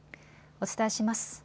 お伝えします。